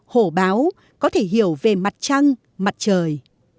hổ báo có thể hiểu về mặt trăng mặt trời